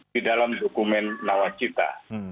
di dalam dokumen nawacita